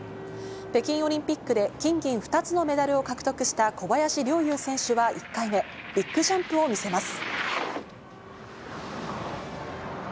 北京オリンピックで金銀２つのメダルを獲得した小林陵侑選手は、１回目、ビッグジャンプを見せます。